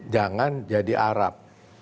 jangan jadi arab